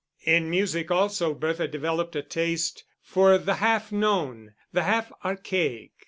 In music also Bertha developed a taste for the half known, the half archaic.